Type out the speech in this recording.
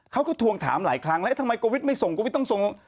เขาก็ถวงถามหลายครั้งแล้วทำไมโกวิดไม่ส่งโกวิดต้องส่ง